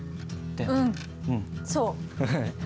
うんそう。